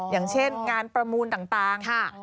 อย่างเช่นงานประมูลต่างค่ะ